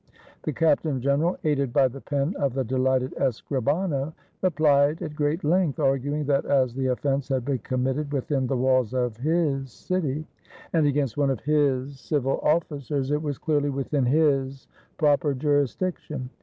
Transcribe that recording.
The captain general, aided by the pen of the delighted escrihano, replied at great length, arguing, that as the offense had been committed within the walls of his city, and against one of his civil officers, it was clearly within his proper jurisdiction.